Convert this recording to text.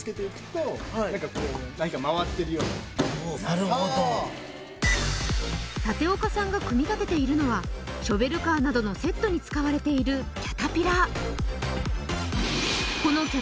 なるほど舘岡さんが組み立てているのはショベルカーなどのセットに使われているキャタピラー